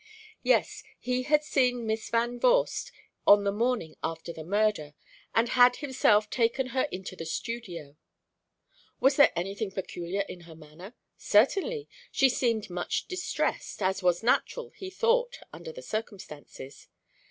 Yes, he had seen Miss Van Vorst on the morning after the murder, and had himself taken her into the studio. Was there anything peculiar in her manner? Certainly; she seemed much distressed, as was natural, he thought, under the circumstances.